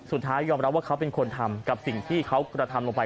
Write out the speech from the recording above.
สุดท้ายยอมรับว่าเขาเป็นคนทำกับสิ่งที่เขากระทำลงไป